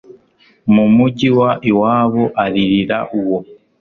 mu mugi w iwabo aririra uwo